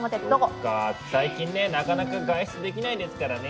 そっか最近ねえなかなか外出できないですからね。